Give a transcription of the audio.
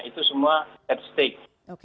itu semua at stake